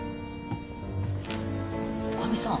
女将さん